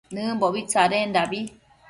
Nëmbobi tsadendabi